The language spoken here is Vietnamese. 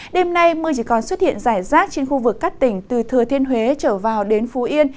đêm nay mưa chỉ còn xuất hiện rải rác trên khu vực các tỉnh từ thừa thiên huế trở vào đến phú yên